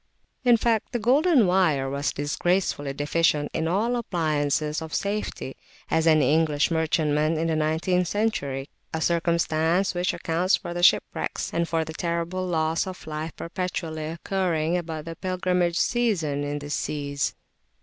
In fact the "Golden Wire" was as disgracefully deficient in all the appliances of safety, as any English merchantman in the nineteenth century, a circumstance which accounts for the shipwrecks and for the terrible loss of life perpetually occurring about the Pilgrimage season in these seas.